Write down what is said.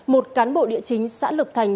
một cán bộ địa chính xã lục thành